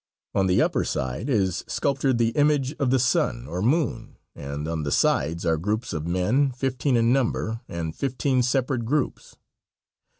On the upper side is sculptured the image of the sun or moon and on the sides are groups of men, fifteen in number, and fifteen separate groups.